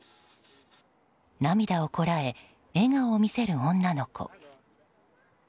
涙をこらえ、笑顔を見せる女の子。